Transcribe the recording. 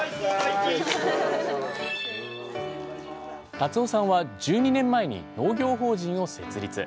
立生さんは１２年前に農業法人を設立。